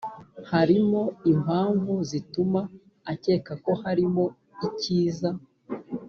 harimo impamvu zituma akeka ko harimo ikiza